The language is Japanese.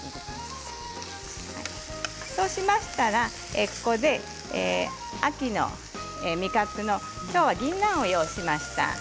そうしましたら、ここで秋の味覚のきょうはぎんなんを用意しました。